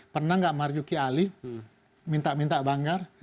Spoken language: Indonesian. pernah nggak marjuki ali minta minta banggar